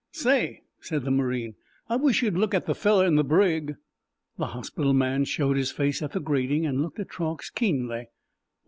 "Say," said the marine, "I wish you'd look at the feller in the brig." The hospital man showed his face at the grating and looked at Truax keenly.